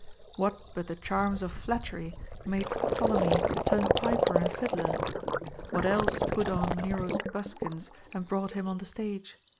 What but the charms of flattery made Ptolemy turn piper and fiddler \ What else put on Nero's buskins and brought him on the stage